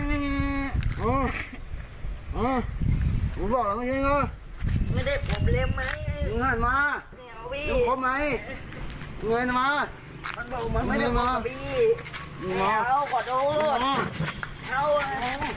เอาแหละขอโทษผมขอโทษ